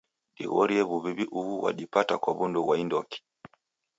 Dighorie wuwiwi ughu ghwadipata kwa wundu ghwa indoki?